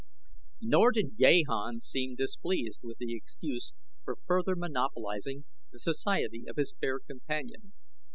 Nor did Gahan seem displeased with the excuse for further monopolizing the society of his fair companion.